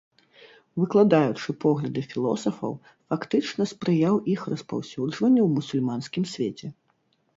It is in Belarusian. Выкладаючы погляды філосафаў, фактычна спрыяў іх распаўсюджванню ў мусульманскім свеце.